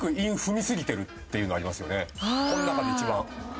この中で一番。